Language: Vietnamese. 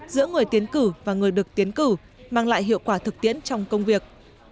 giữa người tiến cử và người được tiến cử mang lại hiệu quả thực tiễn trong công việc